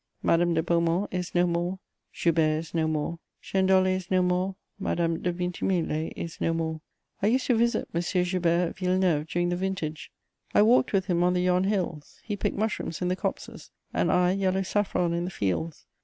Madame de Beaumont is no more, Joubert is no more, Chênedollé is no more, Madame de Vintimille is no more. I used to visit M. Joubert at Villeneuve during the vintage; I walked with him on the Yonne Hills; he picked mushrooms in the copses, and I yellow saffron in the fields.